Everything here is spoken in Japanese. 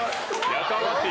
やかましい！